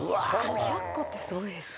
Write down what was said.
５００個ってすごいですね。